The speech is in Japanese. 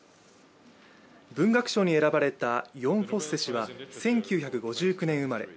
文学賞に選ばれたヨン・フォッセ氏は１９５９年生まれ。